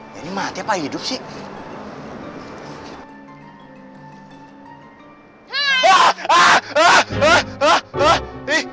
ya ini mati apa hidup sih